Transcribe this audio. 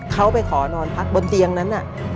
เขาไปขอนอนพักบนเตียงนั้น